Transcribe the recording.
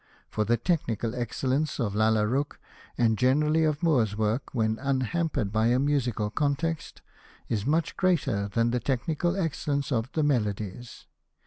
For the technical excellence of Lalla Rookh, and generally of Moore's work when unhampered by a musical context, is much greater than the technical excellence of the Melodies.